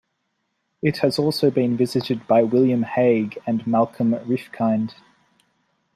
It has also been visited by William Hague and Malcolm Rifkind.